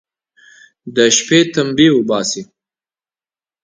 د شپې تمبې اوباسي.